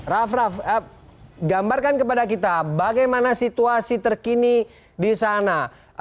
raff raff gambarkan kepada kita bagaimana situasi terkini di sana